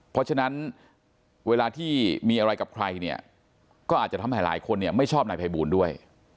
เพราะฉะนั้นเวลาที่มีอะไรกับใครเนี่ยก็อาจจะทำให้หลายคนเนี่ยไม่ชอบนายภัยบูลด้วย